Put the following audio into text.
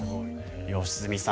良純さん